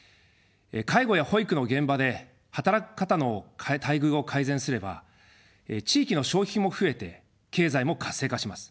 介護や保育の現場で働く方の待遇を改善すれば地域の消費も増えて経済も活性化します。